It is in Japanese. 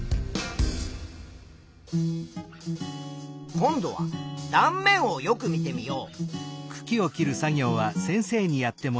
今度は断面をよく見てみよう。